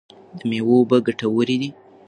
د مېوو اوبه ګټورې دي.